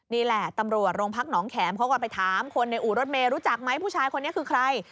นี่แหละตำรวจโรงพักหนองแขมเขาก็ไปถามคนในอู่รถเมย์รู้จักไหมผู้ชายคนนี้คือใคร